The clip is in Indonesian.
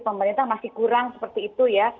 pemerintah masih kurang seperti itu ya